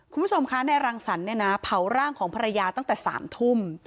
คุณผู้ชมคะนายรังสรรค์เนี่ยนะเผาร่างของภรรยาตั้งแต่๓ทุ่ม